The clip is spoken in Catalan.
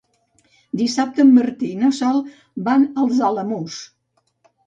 Dissabte en Martí i na Sol van als Alamús.